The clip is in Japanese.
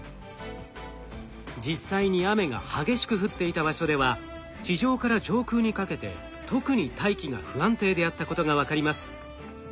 実際に雨が激しく降っていた場所では地上から上空にかけて特に大気が不安定であったことが分かります。